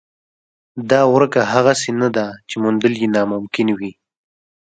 دا ورکه هغسې نه ده چې موندل یې ناممکن وي.